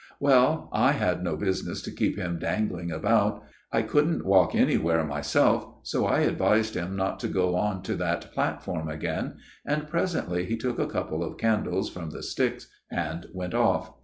Well ; I had no business to keep him dangling about . I couldn't walk anywhere myself : so I advised him not to go on to that platform again ; and presently he took a couple of candles from the sticks and went off.